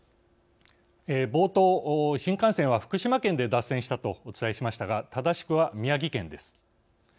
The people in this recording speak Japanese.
冒頭、新幹線は福島県で脱線したとお伝えしましたが正しくは宮城県です。